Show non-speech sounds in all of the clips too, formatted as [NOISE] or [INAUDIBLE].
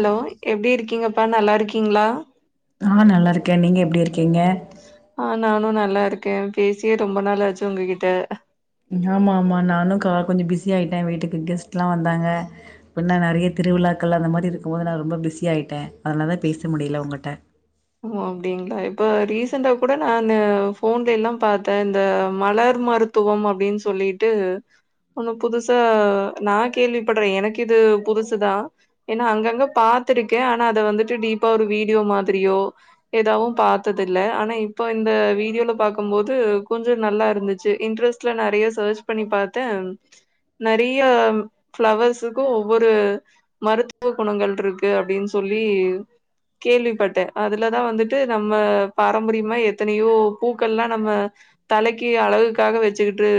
allow எப்டி இருக்கிங்கப்பா நல்லாருக்கிங்ளா ஆ நல்லாருக்கே நீங்க எப்டி இருக்கிங்க ஆ நானு நல்லாருக்கே பேசியே ரொம்ப நாள் ஆச்சு உங்ககிட்ட ஆமா ஆமா நானு கா கொஞ்சோ பிஸி ஆயிட்டே வீட்டுக்கு கெஸ்ட்ல்லா வந்தாங்க பின்ன நெறய திருவிழாக்கள் அந்த மாரி இருக்கும்போது நா ரொம்ப பிஸி ஆய்ட்டே அதனால தா பேச முடியல உங்கிட்ட ஓ அப்டிங்ளா இப்ப ரீசண்டா கூட நானு ஃபோன்லல்லா பாத்தே இந்த மலர் மருத் த்துவம் அப்டின் சொல்லிட்டு ஒன்ன புதுசா நா கேள்வி பட்றே எனக்கு இது புதுசுதா எனா அங்கங்க பாத்ருக்கே ஆனா அத வந்துட்டு டீப்பா ஒரு வீடியோ மாதிரியோ எதாவு பாத்தது இல்ல ஆனா இப்போ இந்த வீடியோல பாக்கும் போது கொஞ்சோ நல்லா இருந்துச்சு இன்ட்ரெஸ்ட் நெறய சேர்ச் பண்ணி பாத்தே நெறிய ஃப்ளவர்ஸுக்கு ஒவ்வொரு மருத்துவ குணங்கள்ருக்கு அப்டின் சொல்லி கேள்விப்பட்டே அதுலதா வந்துட்டு நம்ம பாரம்பரியமா எத்தனயோ பூக்கள்லாம் நம்ம தலைக்கி அழகுக்காக வெச்சுக்குட்டு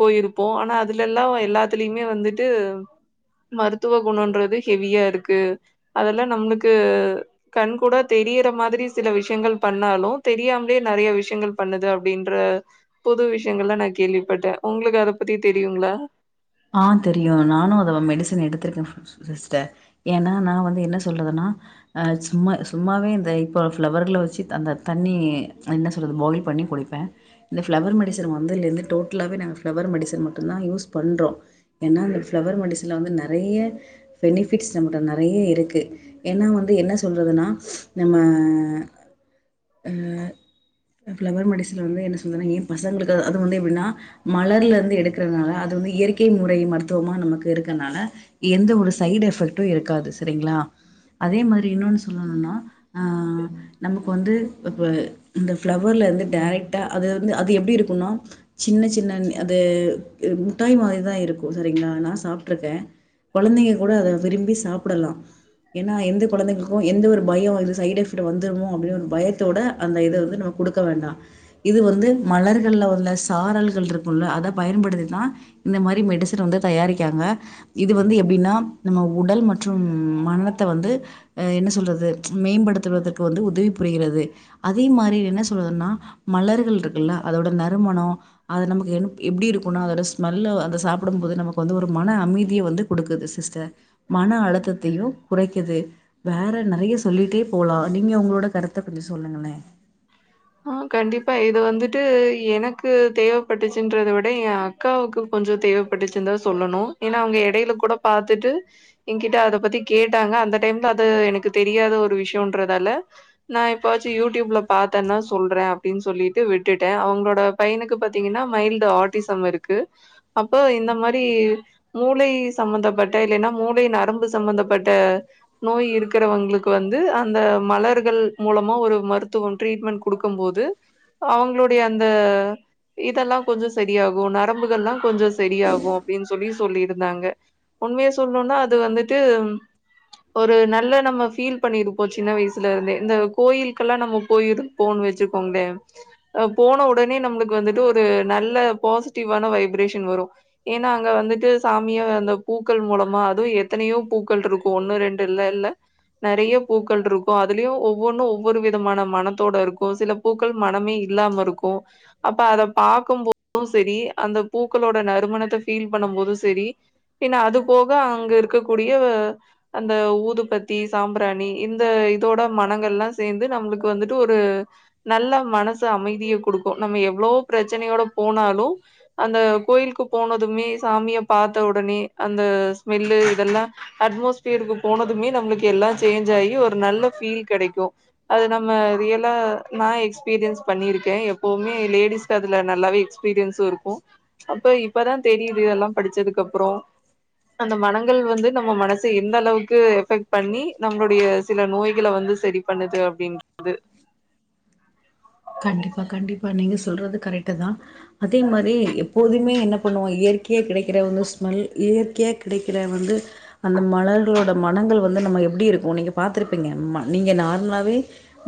போயிருப்போ ஆனா அதுலல்லா எல்லாத்துலயுமே வந்துட்டு மருத்துவ குணோன்றது ஹெவியா இருக்கு அதெல்லா நம்ளுக்கு கண் கூடா தெரியிற மாதிரி சில விஷ்யங்கள் பண்ணாலு தெரியாமலே நெறய விஷ்யங்கள் பண்ணுது அப்டின்ற பொது விஷ்யங்கள்லா நா கேள்விப்பட்டே உங்ளுக்கு அத பத்தி தெரியுங்ளா ஆ தெரியு நானு அதோட மெடிசன் எடுத்ருக்கே சிஸ்டர் ஏன்னா நா வந்து என்ன சொல்றதுன்னா ஆ சும்மா சும்மாவே இந்த இப்போ ஃப்ளவர்ல வெச்சிட் அந்த தண்ணி என்ன சொல்றது பாயில் பண்ணி குடிப்பே இந்த ஃப்ளவர் மெடிசன் வந்ததுலருந்து டோட்டலாவே நாங்க ஃப்ளவர் மெடிசன் மட்டு்ந்தா யூஸ் பண்றோ ஏன்னா அந்த ஃப்ளவர் மண்டசனில் வந்து நறைய பெனிஃபிட்ஸ் நம்மிட்ட நறைய இருக்கு ஏன்னா வந்து என்ன சொல்றதுன்னா நம்ம அ ஃப்ளவர் மெடிசனில் வந்து என்ன சொல்றாங்க ஏ பசங்களுக்கு அது வந்து எப்டினா மலர்ல இருந்து எடுக்கறனால அது வந்து இயற் கே முறை மருத்துவம் நமக்கு இருக்கனால எந்த ஒரு சைடு எஃபெக்டு இருக்காது சரிங்களா அதே மாரி இன்னொன்னு சொல்லணும்னா அ நமக்கு வந்து இப்ப இந்த பிளவர்ல இருந்து டைரெக்ட்டா அது வந்து அது எப்டி இருக்குனா சின்ன சின்ன அது முட்டாய் மாறி அப்டி தா இருக்கு சரிங்களா நா சாப்ட்டுருக்கே கொழந்தைங்க கூட அத விரும்பி சாப்டலா ஏன்னா எந்த கொழந்தைகளுக்கு எந்த ஒரு பயோ இது சைட் எஃபெக்ட்ல வந்துருமோ அப்டின்னு ஒரு பயத்தோட அந்த இது வந்து ந குடுக்க வேணா இது வந்து மலர்கள்ல உள்ள சாரல்கள் இருக்கும்ல அத பயன்படுத்திதா இந்த மாரி மெடிசன் வந்து தயாரிக்காங்க இது வந்து எப்டின்னா நம்ம உடல் மற்றும் மனத்த வந்து அ என்ன சொல்றது மேம்படுத்துவதற்கு வந்து உதவி புரிகிறது அதே மாரி என்ன சொல்றதுன்னா மலர்கள் இருக்குல்ல அதோட நறுமணோ அது நமக்கு என் எப்டி இருக்குனா அதோட ஸ் நல்ல அதை சாப்டும் போது நமக்கு வந்து ஒரு மன அமைதியை வந்து குடுக்குது சிஸ்டர் மன அழுத்தத்தையு குறைக்குது வேற நெறைய சொல்லிட்டே போலாம் நீங்க உங்களோட கருத்தை கொஞ்சோ சொல்லுங்களே [INAUDIBLE] அ கண்டிப்பா இது வந்துட்டு எனக்கு தேவைப்பட்டுச்சுன்றத விட என் அக்காவுக்கு கொஞ்சோ தேவைப்பட்டுச்சுந்தா சொல்லணு ஏன்னா அவங்க எடையில கூட பாத்துட்டு என்கிட்ட அத பத்தி கேட்டாங்க அந்த டைம்ல அது எனக்கு தெரியாத ஒரு விஷயம்ன்றதால நான் எப்ப வாச்சு யூடியூப்ல பாத்தேன்னா சொல்றே அப்டின்னு சொல்லிட்டு விட்டுட்டே அவங்களோட பையனுக்கு பாத்தீங்கன்னா மைல்டு ஆர்டிசம் இருக்கு அப்ப இந்த மாதிரி மூளை சம்பந்தப்பட்ட இல்லன்னா மூளை நரம்பு சம்பந்தப்பட்ட நோய் இருக்கிறவங்களுக்கு வந்து அந்த மலர்கள் மூலமா ஒரு மருத்துவம் ட்ரீட்மெண்ட் குடுக்கும்போது அவங்களுடைய அந்த இதெல்லா கொஞ்சோ சரியாகு நரம்புகள்ல்லா கொஞ்சோ சரியாகு அப்டின்னு சொல்லி சொல்லியிருந்தாங்க உண்மையை சொல்லணும்னா அது வந்துட்டு ஒரு நல்ல நம்ம ஃபீல் பண்ணிருப்போ சின்ன வயசுல இருந்தே இந்த கோயிலுகெல்லா நம்ம போயிரு போன் வச்சிக்கொண்டே அ போன உடனே நம்மளுக்கு வந்துட்டு ஒரு நல்ல பாசிட்டிவ்வான வைப்ரேஷன் வரு ஏன்னா அங்க வந்துட்டு சாமியா அந்த பூக்கள் மூலமா அதுவு எத்தனையோ பூக்கள் இருக்கு ஒண்ணு ரெண்டு இல்ல இல்ல நெறைய பூக்கள் இருக்கு அதுலயு ஒவ்வொன்னு ஒவ்வொரு விதமான மனத்தோட இருக்கு சில பூக்கள் மனமே இல்லாம இருக்கு அப்ப அத பாக்கும் போதும் சரி அந்த பூக்களோட நறுமணத்தை ஃபீல் பண்ணு போது சரி பின்ன அது போக அங்க இருக்க கூடிய அந்த ஊதுபத்தி சாம்பிராணி இந்த இதோட மனங்கள் எல்லா சேந்து நம்மளுக்கு வந்துட்டு ஒரு நல்ல மனசு அமைதியை குடுக்கும் நம்ம எவ்வளவு பிரச்சனையோட போனாலு அந்த கோயிலுக்கு போனதுமே சாமிய பாத்த உடனே அந்த ஸ்மெல்லு இதெல்லா அட்மாஸ்பியருக்கு போனதுமே நம்மளுக்கு எல்லா சேஞ்ச் ஆயி ஒரு நல்ல ஃபீல் கெடைக்கு அது நம்ம ரியலா நா எக்ஸ்பீரியன்ஸ் பண்ணிருக்கே எப்பவுமே லேடிஸ் அதுல நல்லாவே எக்ஸ்பீரியன்ஸும் இருக்கு அப்ப இப்பதா தெரிது எல்லா படிச்சதுக்கு அப்பறோ அந்த மனங்கள் வந்து நம்ம மனச எந்த அளவுக்கு எஃபெக்ட் பண்ணி நம்ளுடைய சில நோய்கள வந்து செரி பண்ணுது அப்படின் து கண்டிப்பா கண்டிப்பா நீங்க சொல்றது கரெக்ட் தா அதே மாரி எப்போதுமே என்ன பண்ணுவோ இயற்கையா கெடைக்கற வந்து ஸ்மெல் இயற்கையாக கிடைக்கற வந்து அந்த மலர்களோட மனங்கள் வந்து நம்ம எப்டி இருக்கு நீங்க பாத்துருப்பீங்க நீங்கள் நார்மலாவே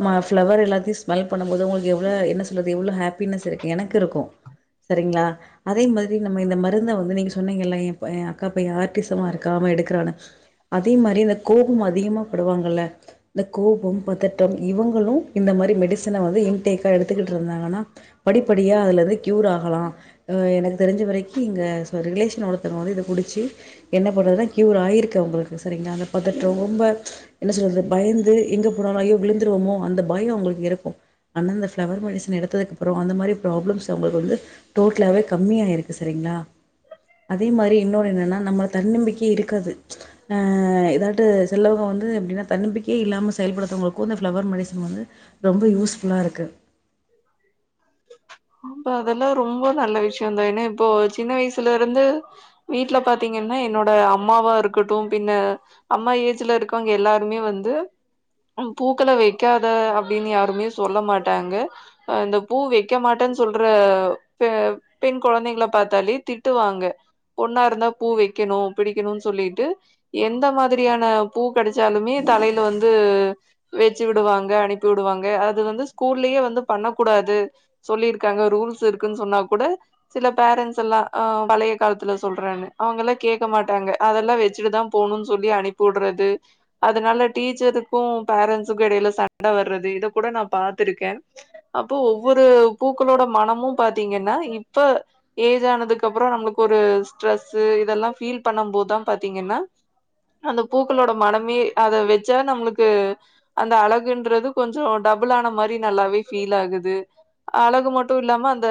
மா பிளவர் எல்லாத்தையு ஸ்மெல் பண்ணும் போது உங்களுக்கு எவ்வளவு என்ன சொல்றது எவ்வளவு ஹாப்பினஸ் இருக்கு எனக்கு இருக்கு செரிங்ளா அதே மாதிரி நம்ம இந்த மருந்த வந்து நீங்க சொன்னீங்கல்லா ஏ ப ஏ அக்கா பைய ஆர்ட்டிசமா இருக்கா அவ எடுக்கறானு அதே மாரி இந்த கோவம் அதிகமா படுவாங்கல்ல இந்த கோபம் பதட்டம் இவுங்களு இந்த மாரி மெடிசன வந்து இன்டேக்கா எடுத்துக்கிட்ருந்தாங்கன் னா படிப்படியா அதுல இருந்து க்யூர் ஆகலா அ எனக்கு தெரிஞ்ச வரைக்கி இங்க சோ ரிலேஷன் ஒருத்தங்க வந்து இத குடிச்சி என்ன பண்றதுன்னா கியூர் ஆயிருக்கு அவங்களுக்கு செரிங்களா அந்த பதட்றோ ரொம்ப என்ன சொல்றது பயந்து எங்க போனாலு ஐயோ விழுந்துருவமோ அந்த பயோ அவங்களுக்கு இருக்கு அனா இந்த ஃளவர் பாய்சன் எடுத்ததுக்கு அப்பறோ அந்த மாரி ப்ராப்ளம்ஸ் அவங்களுக்கு வந்து டோட்டலாவே கம்மியாயிருக்கு செரிங்களா அதே மாரி இன்னொன்னு என்னன்னா நம்ம தன்னம்பிக்கையே இருக்காது அ எதாவ் ட்டு செல்வகோ வந்து எப்டின்னா தன்னம்பிக்கையே இல்லாம செயல்படுத்தவங்களுக்கோ இந்த ஃளவர் மெடிசன் வந்து ரொம்ப யூஸ் புல்லா இருக்கு அப்ப அதல்லா ரொம்ப நல்ல விஷயந்தா ஏன்னா இப்போ சின்ன வயசுல இருந்து வீட்ல பாத்திங்கன்னா என்னோட அம்மாவா இருக்கட்டு பின்ன அம்மா ஏஜ்ல இருக்கவங்க எல்லாருமே வந்து ம் பூக்கள வெக்காத அப்டின்னு யாருமே சொல்ல மாட்டாங்க அ இந்த பூ வெக்க மாட்டன் சொல்ற பெ பெண் கொழந்தைங்கள பாத்தாலே திட்டுவாங்க பொண்ணா இருந்தா பூ வெக்கணு பிடிக்கணுன் சொல்லீட்டு எந்த மாதிரியான பூ கடச்சாலுமே தலையில வந்து வெச்சி விடுவாங்க அனுப்பி விடுவாங்க அது வந்து ஸ்கூல்லயே வந்து பண்ண கூடாது சொல்லியிருக்காங்க ரூல்ஸ் இருக்குன் சொன்னா கூட சில பேரண்ட்ஸ் எல்லா அ பழைய காலத்துல சொல்றாங்க அவங்கல்லா கேக்க மாட்டாங்க அதல்லா வெச்சிட்டு தா போணுன் சொல்லி அனுப்பி உடுறது அதனால டீச்சருக்கு பேரண்ட்ஸுக்கு எடையில சண்ட வர்றது இத கூட நா பாத்திருக்கே அப்போ ஒவ்வொரு பூக்களோட மனமு பாத்தீங்கன்னா இப்ப ஏஜ் ஆனதுக்கு அப்பறோ நம்மளுக்கு ஒரு ஸ்ட்ரெஸ்சு இதல்லா ஃபீல் பண்ணம் போதா பாத்திங்கன்னா அந்த பூக்களோட மணமே அத வெச்சா நம்மளுக்கு அந்த அழகுன்றது கொஞ்சோ டபுள் ஆன மாரி நல்லாவே ஃபீல் ஆகுது அழகு மட்டு இல்லாம அந்த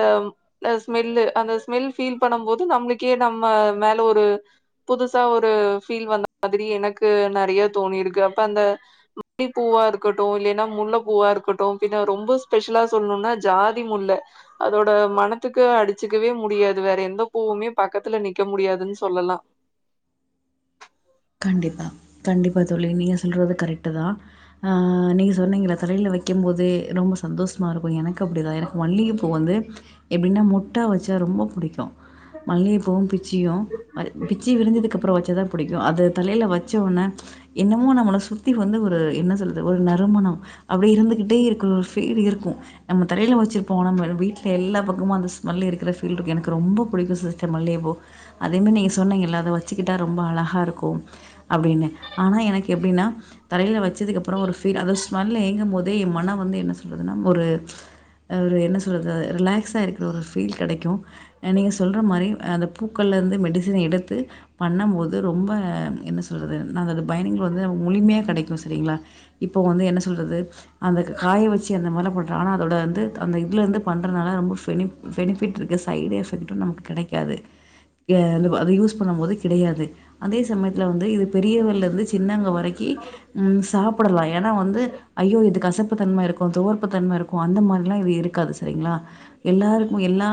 ல ஸ்மெல்லு அந்த ஸ்மெல் ஃபீல் பண்ணம் போது நம்மளுக்கே நம்ம மேல ஒரு புதுசா ஒரு ஃபீல் வ [INAUDIBLE] மாதிரி எனக்கு நறைய தோணிருக்கு அப்ப அந்த ம [INAUDIBLE] பூவா இருக்கட்டு இல்லைன்னா முல்ல பூவா இருக்கட்டு பின்ன ரொம்ப ஸ்பெஷலா சொல்ணுன்னா ஜாதி முல்ல அதோட மனத்துக்கு அடிச்சுக்கவே முடியாது வேற எந்த பூவுமே பக்கத்துல நிக்க முடியாதுன்னு சொல்லலா கண்டிப்பா கண்டிப்பா தோழி நீங்க சொல்றது கரக்ட்டு தா ஆ நீங்க சொன்னிங்கல்ல தலைல வக்கும்போதே ரொம்ப சந்தோஷமா இருக்கும் எனக்கு அப்டிதான் எனக்கு மல்லிக பூ வந்து எப்டின்னா மொட்டா வச்சா ரொம்ப புடிக்கும் மல்லியபூவும் பிச்சியும் பிச்சி விரிஞ்சதுக்கு அப்றம் வச்சதா புடிக்கும் அது தலைல வச்சோன என்னமோ நம்மள சுத்தி வந்து ஒரு என்ன சொல்றது ஒரு நறுமணம் அப்டியே இருந்துகிட்டே இருக்கற ஒரு ஃபீல் இருக்கும் நம்ம தலல வச்சிருப்போம் நம்ம வீட்ல எல்லா பக்கமும் அந்த ஸ்மெல் இருக்கற ஃபீல் இருக்கு எனக்கு ரொம்ப பிடிக்கும் சிஸ்டர் மல்லிய பூ அதேமாரி நீங்க சொன்னிங்கல்ல அத வச்சுக்கிட்டா ரொம்ப அழகா இருக்கும் அப்டின்னு ஆனா எனக்கு எப்டின்னா தலைல வச்சதுக்கு அப்றம் ஒரு பீல் அத ஸ்மெல்ல ஏங்கும் போதே என் மன வந்து என்ன சொல்லுதுன்னா ஒரு ஒரு என்ன சொல்றது ரிலாக்ஸா இருக்கற ஒரு ஃபீல் கெடைக்கு நீங்க சொல்ற மாரி அந்த பூக்கள்லேருந்து மெடிசன் எடுத்து பண்ணும்போது ரொம்ப என்ன சொல்றது நா அதோட பயன்கள்ள வந்து நமக்கு முழுமையா கெடைக்கும் சரிங்களா இப்போ வந்து என்ன சொல்றது அந்த காய வச்சு அந்த மால போட்ற ஆனா அதோட வந்து அந்த இதுல இருந்து பண்றதுனால ரொம்ப ஃபெனி பெனிஃபிட் இருக்க சைடு எஃபெக்டும் நமக்கு கடைக்காது அத யூஸ் பண்ணும் போது கிடையாது அதே சமய இது பெரியவலருந்து சின்னங்க வரைக்கும் சாப்டலாம் ஏனா வந்து ஐயோ இது கசப்பு தன்ம இருக்கும் துவர்ப தன்ம இருக்கும் அந்த மாதிரி எல்லாம் இது இருக்காது சரிங்களா எல்லாருக்கும் எல்லா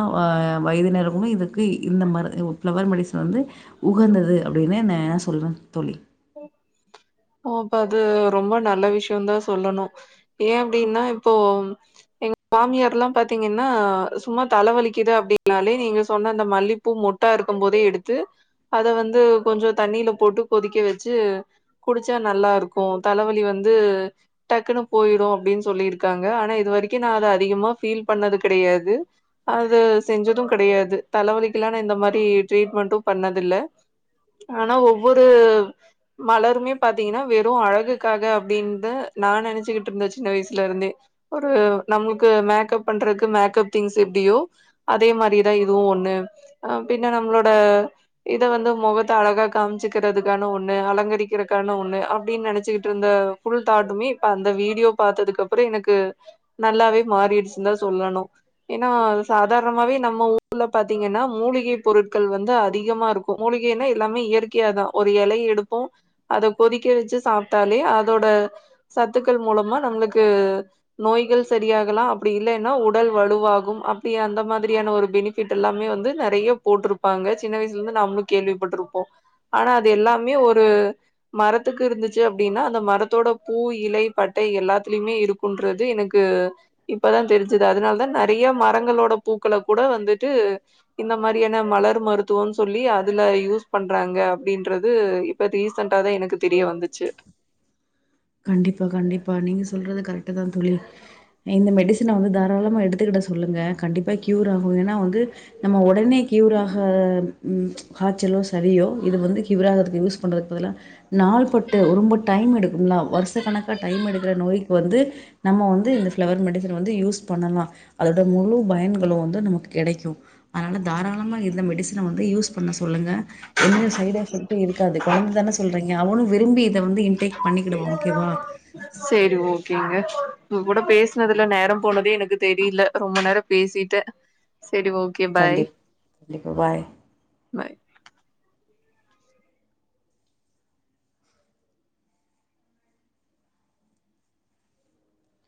வயத்தினர்களும் இதுக்கு இந்த ம ஃப்ளவர் மெடிசன் வந்து உகந்தது அப்டின்னே நா சொல்றேன்னு தோழி ஓ அப்ப அது ரொம்ப நல்ல விஷயம் தான் சொல்லணு ஏன் அப்டின்னா இப்போ எங்க மாமியார்ல்லாம் பாத்தீங்கன்னா சும்மா தலவலிக்குது அப்டின்னாலே நீங்க சொன்ன அந்த மல்லி பூ பூ மொட்டா இருக்கும் போதே எடுத்து அதை வந்து கொஞ்ச தண்ணில போட்டு கொதிக்க வச்ச ச்சு குடிச்சா நல்லா இருக்கும் தலவலி வந்து டக்குன்னு போயிடும் அப்டின்னு சொல்லியிருக்காங்க ஆனா இது வரைக்கும் நா அத அதிகமா ஃபீல் பண்ணது கடையாது அது செஞ்சதும் கிடையாது தலவலிக்கல்லாம் நா இந்த மாரி ட்ரீட்மெண்ட்டும் பண்ணதில்ல ஆனா ஒவ்வொரு மலருமே பாத்தீங்கன்னா வெறும் அழகுக்காக அப்டின்னு நா நெனச்சுகிட்டு இருந்தே சின்ன வயசுலருந்தே ஒரு நம்மளுக்கு மேக்கப் பண்றதுக்கு மேக்கப் திங்ஸ் எப்டியோ அதே மாரிதா இதுவும் ஒண்ணு அப்டின்னா நம்மளோட இத வந்து மொகத்த அழகா காம்ச்சுக்கறதுக்கான அலங்கரிக்கிறக்காண ஒண்ணு அப்டின்னு நெனச்சக்கிட்டு இருந்த புல் தாட்டுமே இப்ப அந்த வீடியோ பாத்ததுக்கு அப்ற றம் எனக்கு நல்லாவே மாறிடுச்சுன்தா சொல்லணும் ஏன்னா சாதாரணமாவே நம்ம ஊர்ல பாரத்தீங்கன்னா மூலிகை பொருட்கள் வந்து அதிகமா இருக்கு மூலிகைனா எல்லாமே இயற்கையா தா ஒரு எலைய டுப்போம் அத கொதிக்க வச்சு சாப்ட்டாலே அதோட சத்துக்கள் மூலமா நம்மளுக்கு நோய்கள் சரியாகலாம் அப்டி இல்லன்னா உடல் வலுவாகும் அப்டி அந்த மாரியான ஒரு பெனி வீட் எல்லாமே வந்து நறைய போட்டிருப்பாங்க சின்ன வயசுலருந்து நாமளும் கேள்விப்பட்ருப்போம் ஆனா அது எல்லாமே ஒரு மரத்துக்கு இருந்துச்சு அப்டின்னா அந்த மரத்தோட பூ இலை பட்டை எல்லாத்துலயுமே இருக்குன்றது எனக்கு இப்பதா தெரிஞ்சுது அதனாலதா நறைய மரங்களோட பூக்கள கூட வந்துட்டு இந்த மாரியான மலர் மருத்துவன்னு சொல்லி அதுல யூஸ் பண்றாங்க அப்டின்றது இப்ப ரீசண்டா தா எனக்கு தெரிய வந்துச்சு கண்டிப்பா கண்டிப்பா நீங்க சொல்றது கரெக்ட தா தோழி இந்த மெடிசின வந்து தாராளமா எடுத்துக்கிட சொல்லுங்க கண்டிப்பா க்யூர் ஆகு ஏன்னா வந்து நம்ம உடனே கியூராக ம் காய்ச்சலோ சளியோ இது வந்து கியூராகதுக்கு யூஸ் பண்ணுறக்கு பதிலா நாள் பட்டு ரொம்ப டைம் எடுக்கும் வருஷ கணக்காக டைம் எடுக்கிற நோய்க்கு வந்து நம்ம வந்து இந்த ஃப்ளவர் மெடிசின் வந்து யூஸ் பண்ணலா அதோட முழு பயன்களு வந்து நமக்கு கிடைக்கு அதனால தாராளமா இந்த மெடிசின வந்து யூஸ் பண்ண சொல்லுங்க எந்த சைட் எஃபெக்ட் இருக்காது கொழந்தை தான சொல்றீங்க அவனு விரும்பி இத வந்து இன்டேக் பண்ணி குவா சேரி ஓகேங்க உங்க கூட பேசுனதுல நேரோ போனதே எனக்கு தெரில ரொம்ப நேரம் பேசிட்டே சேரி ஓகே பாய் கண்டிப் கண்டிப்பா பாய் பாய்